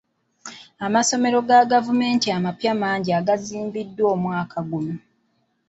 Amasomero ga gavumenti amapya mangi agazimbiddwa omwaka guno.